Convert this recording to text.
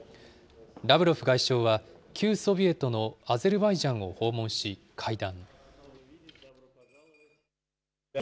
ラブロフ外相は旧ソビエトのアゼルバイジャンを訪問し、会談。